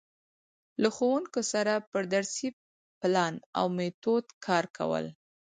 له ښـوونکو سره پر درسي پـلان او میتود کـار کول.